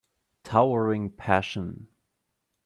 Towering passion